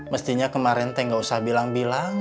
mestinya kemaren teh gausah bilang bilang